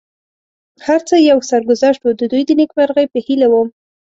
هر څه یو سرګذشت و، د دوی د نېکمرغۍ په هیله ووم.